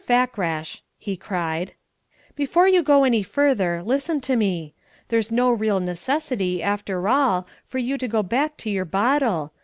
Fakrash," he cried, "before you go any farther, listen to me. There's no real necessity, after all, for you to go back to your bottle.